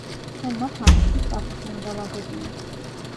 ჩვენ მათ ამისთვის პასუხი უნდა ვაგებინოთ.